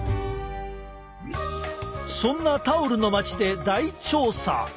そんなタオルの街で大調査！